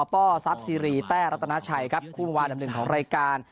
กับปปสาปซีรีแต้รัตนาชัยครับคู่มวาดำหนึ่งของรายการ